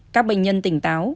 các bệnh nhân tỉnh táo